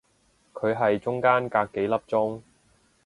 佢係中間隔幾粒鐘